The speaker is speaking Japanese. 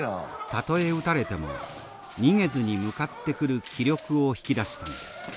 たとえ打たれても逃げずに向かってくる気力を引き出すためです。